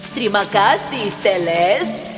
terima kasih selis